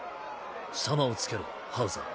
「様」を付けろハウザー。